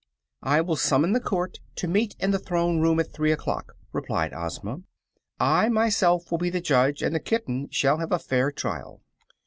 "I will summon the Court to meet in the Throne Room at three o'clock," replied Ozma. "I myself will be the judge, and the kitten shall have a fair trial."